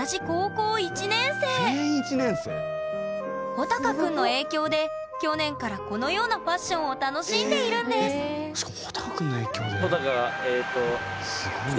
ほたかくんの影響で去年からこのようなファッションを楽しんでいるんですしかもほたかくんの影響で？